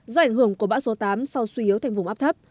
do ảnh hưởng của bão số tám sau suy yếu thành vùng áp thấp